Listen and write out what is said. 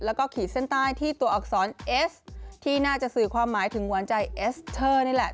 แล้วก็ขีดเส้นใต้ที่ตัวอักษรเอสที่น่าจะสื่อความหมายถึงหวานใจเอสเตอร์นี่แหละ